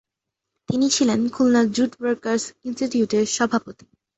তিনি ছিলেন Khulna jute workers ইনস্টিটিউটের সভাপতি।